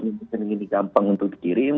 mungkin ini gampang untuk dikirim